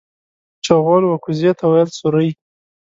چغول و کوزې ته ويل سورۍ.